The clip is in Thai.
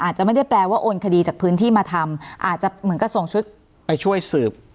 อาจจะไม่ได้แปลว่าโอนคดีจากพื้นที่มาทำอาจจะเหมือนกับส่งชุดไปช่วยสืบ